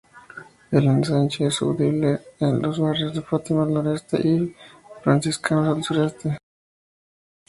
El Ensanche se subdivide en los barrios Fátima, al noroeste, y Franciscanos, al sureste.